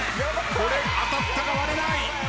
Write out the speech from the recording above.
当たったが割れない！